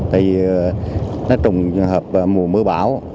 tại vì nó trùng trường hợp mùa mưa bão